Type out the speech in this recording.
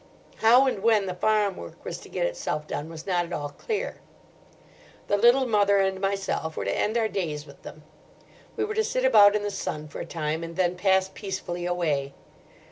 How and when the farm work was to get itself done was not at all clear. The Little Mother and myself were to end our days with them. We were to sit about in the sun for a time, and then pass peacefully away.